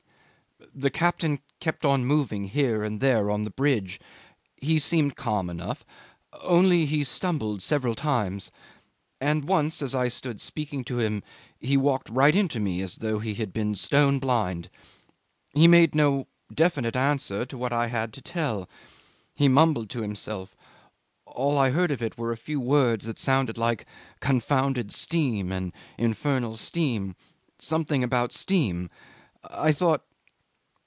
... 'The captain kept on moving here and there on the bridge; he seemed calm enough, only he stumbled several times; and once as I stood speaking to him he walked right into me as though he had been stone blind. He made no definite answer to what I had to tell. He mumbled to himself; all I heard of it were a few words that sounded like "confounded steam!" and "infernal steam!" something about steam. I thought